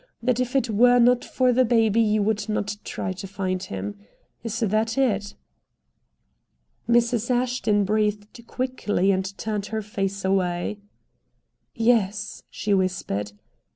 That if it were not for the baby you would not try to find him. Is that it?" Mrs. Ashton breathed quickly and turned her face away. "Yes," she whispered.